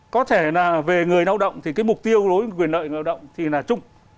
có thể là về người lao động thì cái mục tiêu đối với quyền lợi người lao động thì là chung